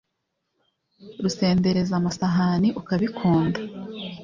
Rusendereza amasahani ukabikunda